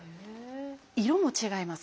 色も違います。